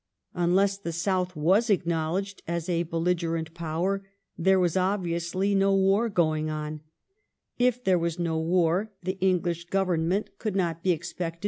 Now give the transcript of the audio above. Un less the South was acknowledged as a belligerent power, there was obviously no war going on. If there was no war, the English Government could not be expected FRANCE AND THE UNITED STATES.